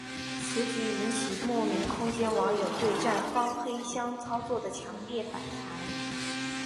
此举引起未名空间网友对站方黑箱操作的强烈反弹。